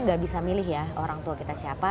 gak bisa milih ya orang tua kita siapa